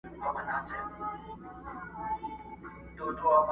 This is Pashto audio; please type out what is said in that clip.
د كندو تر شا په غار كي نهامېږه.!